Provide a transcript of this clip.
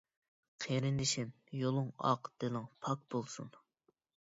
قېرىندىشىم، يولۇڭ ئاق، دىلىڭ پاك بولسۇن!